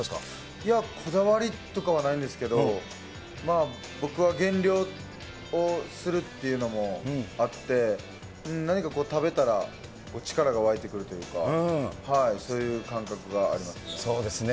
いや、こだわりとかはないんですけど、僕は減量をするっていうのもあって、何かこう、食べたら力が湧いてくるというか、そういう感覚がありますね。